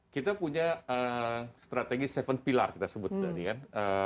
kita punya strategi seven pillar kita sebut tadi kan